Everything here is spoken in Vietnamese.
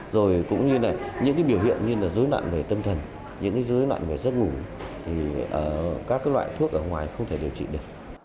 rồi cũng như là những cái biểu hiện như là dối loạn về tâm thần những cái dối loạn về giấc ngủ thì các loại thuốc ở ngoài không thể điều trị được